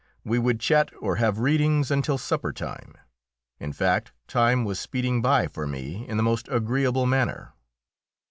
We would chat or have readings until supper time. In fact time was speeding by for me in the most agreeable manner.